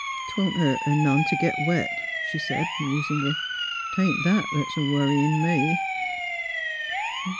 " 'Twon't hurt her none t' git wet," she said, musingly. '' 'Tain't that 'at's worritin' me."